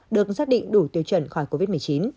được xác định đủ tiêu chuẩn khỏi covid một mươi chín